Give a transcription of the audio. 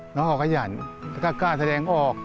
น้องฮอกยันต์ก็กล้าแสดงออก